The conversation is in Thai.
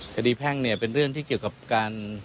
แพ่งเนี่ยเป็นเรื่องที่เกี่ยวกับการ